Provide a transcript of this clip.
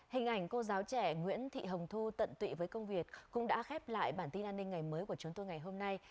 hình ảnh cô giáo trẻ nguyễn thị hồng thu tận tụy với công việc cũng đã khép lại bản tin an ninh ngày mới của chúng tôi ngày hôm nay